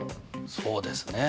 そうですね。